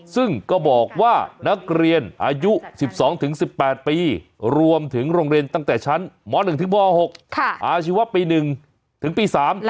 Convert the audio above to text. ซึ่งก็บอกว่านักเรียนอายุ๑๒๑๘ปีรวมถึงโรงเรียนตั้งแต่ชั้นม๑ถึงม๖อาชีวะปี๑ถึงปี๓